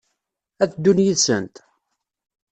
Ad ddun yid-sent?